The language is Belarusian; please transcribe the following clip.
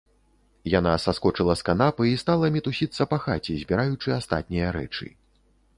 Яна саскочыла з канапы і стала мітусіцца па хаце, збіраючы астатнія рэчы.